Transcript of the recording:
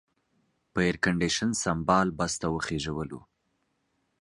په ایرکنډېشن سمبال بس ته وخېژولو.